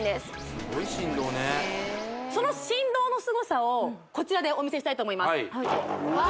すごい振動ねその振動のすごさをこちらでお見せしたいと思います